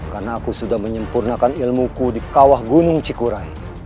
karena aku sudah menyempurnakan ilmuku di kawah gunung cikurai